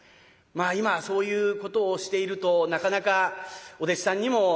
まあ今はそういうことをしているとなかなかお弟子さんにもならないですしね。